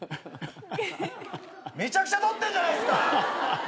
めちゃくちゃ取ってんじゃないっすか！